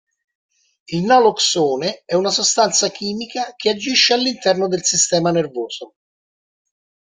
Il naloxone è una sostanza chimica che agisce all'interno del sistema nervoso.